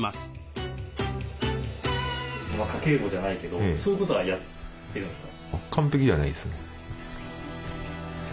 家計簿じゃないけどそういうことはやってるんですか？